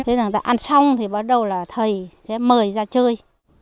thế người ta ăn xong thì bắt đầu là thầy sẽ mời ra chơi